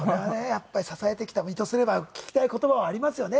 やっぱり支えてきた身とすれば聞きたい言葉はありますよね